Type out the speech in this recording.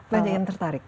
banyak yang tertarik